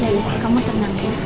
ya allah kamu tenang ya